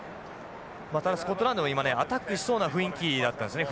ただスコットランドも今ねアタックしそうな雰囲気だったんですね。